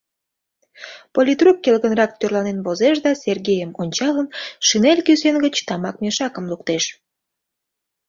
Политрук келгынрак тӧрланен возеш да, Сергейым ончалын, шинель кӱсен гыч тамак мешакым луктеш.